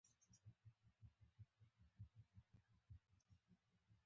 ولسي نرخونه د شخړو په حل کې مهم او بنسټیز رول لوبوي.